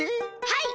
はい！